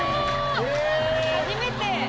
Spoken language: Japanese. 初めて。